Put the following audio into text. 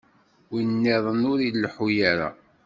Win-nniḍen ur ileḥḥu ara.